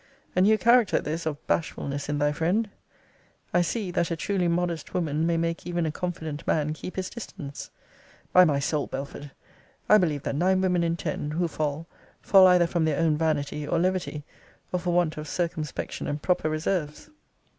A new character this of bashfulness in thy friend. I see, that a truly modest woman may make even a confident man keep his distance. By my soul, Belford, I believe, that nine women in ten, who fall, fall either from their own vanity or levity, or for want of circumspection and proper reserves.